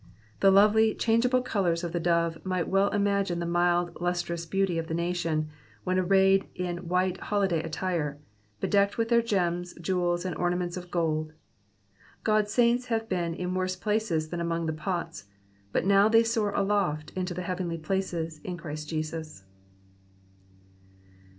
The lovely, changeable colours of the dove might well image the mild, lustrous beauty of the nation, when arrayed in white holiday attire, bedecked with their gems, jewels, and ornaments of gold. God^s saints have been in worse places than among the pots, but now they soar aloft into the heavenly places in Christ Jesus.